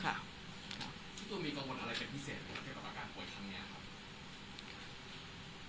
คุณตัวมีกังวลอะไรเป็นพิเศษในการปราการป่วยทั้งเนี่ยครับ